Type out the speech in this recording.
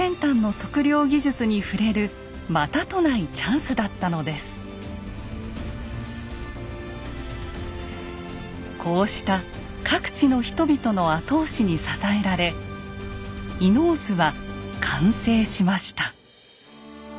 忠敬たちの来訪はこうした各地の人々の後押しに支えられ「伊能図」は完成しました。